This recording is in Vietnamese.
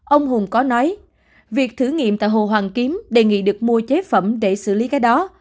ông hùng có nói việc thử nghiệm tại hồ hoàn kiếm đề nghị được mua chế phẩm để xử lý cái đó